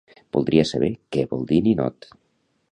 Voldria saber què vol dir ninot.